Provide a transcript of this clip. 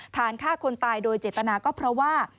ฆ่าคนตายโดยเจตนาก็เพราะว่า